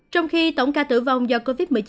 trong khi tổng ca tử vong do covid một mươi chín